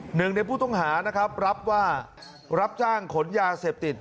หนึ่งในผู้ต้องหานะครับรับว่ารับจ้างขนยาเสพติด